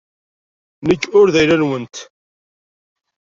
Nekk ur d ayla-nwent.